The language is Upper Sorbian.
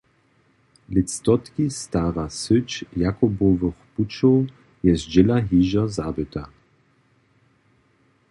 Lětstotki stara syć Jakubowych pućow je zdźěla hižo zabyta.